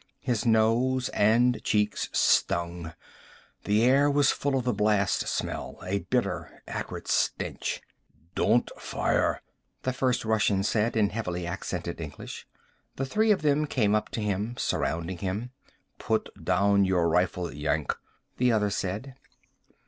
His nose and cheeks stung. The air was full of the blast smell, a bitter acrid stench. "Don't fire," the first Russian said, in heavily accented English. The three of them came up to him, surrounding him. "Put down your rifle, Yank," the other said.